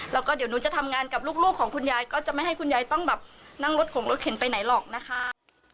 แล้วก็เดี๋ยวหนูจะทำงานกับลูกของคุณยายก็จะไม่ให้คุณยายต้องแบบนั่งรถของรถเข็นไปไหนหรอกนะคะ